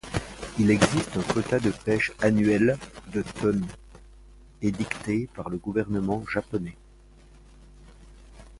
Il existe un quota de pêche annuel de tonnes, édicté par le gouvernement japonais.